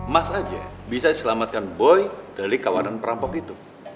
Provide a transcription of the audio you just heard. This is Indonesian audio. mas aja bisa diselamatkan boy dari kawanan perampok itu